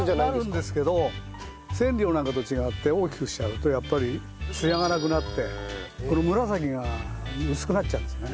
なるんですけど千両なんかと違って大きくしちゃうとやっぱりつやがなくなって紫が薄くなっちゃうんですね。